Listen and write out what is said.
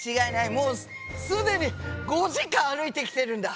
もうすでに５時間歩いてきてるんだ。